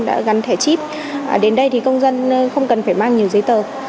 đã gắn thẻ chip đến đây thì công dân không cần phải mang nhiều giấy tờ